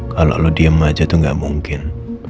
kalo lo diem aja tuh gak mungkin